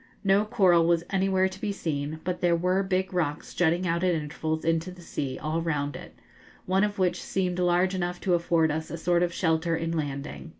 No coral was anywhere to be seen, but there were big rocks jutting out at intervals into the sea all round it, one of which seemed large enough to afford us a sort of shelter in landing.